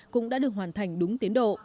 cũng đã được hoàn thành đúng tiến độ